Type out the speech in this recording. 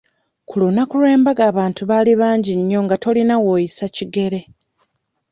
Ku lunaku lw'embaga abantu baali bangi nnyo nga tolina w'oyisa kigere.